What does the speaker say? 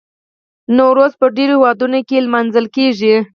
نوروز په ډیرو هیوادونو کې لمانځل کیږي.